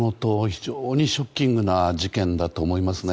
非常にショッキングな事件だと思いますね。